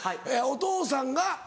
お父さんが？